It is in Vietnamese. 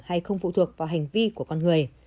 hay không phụ thuộc vào hành vi của con người